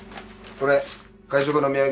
これ会食のお土産。